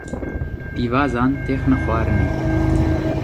pîvazan têxine xwarinê